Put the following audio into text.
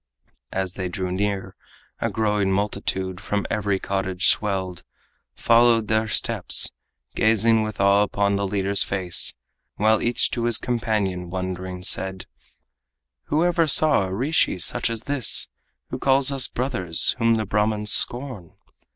As they drew near, a growing multitude, From every cottage swelled, followed their steps, Gazing with awe upon the leader's face, While each to his companion wondering said: "Who ever saw a rishi such as this, Who calls us brothers, whom the Brahmans scorn?"